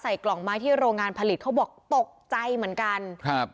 กล่องไม้ที่โรงงานผลิตเขาบอกตกใจเหมือนกันครับ